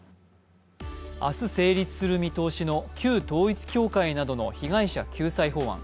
明日、成立する見通しの旧統一教会などの被害者救済法案。